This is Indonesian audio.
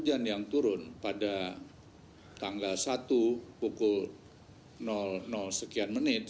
hujan yang turun pada tanggal satu pukul sekian menit